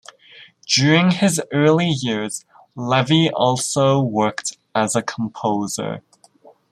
During his early years, Levi also worked as a composer.